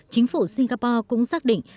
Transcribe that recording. chính phủ singapore cũng xác định